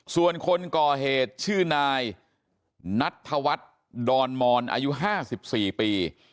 ส่วนคนก่อเหตุชื่อนายนัทธวัฒน์ดอนมอนอายุ๕๔ปี